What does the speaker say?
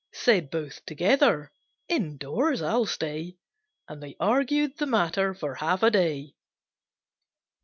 Said both together, "Indoors I'll stay!" And they argued the matter for half a day.